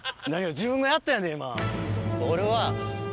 自分がやったんやで今。